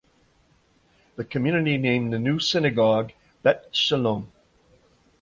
The community named the new synagogue "Bet Shalom".